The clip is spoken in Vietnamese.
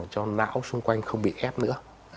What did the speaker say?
cho não xung quanh không bị ép nữa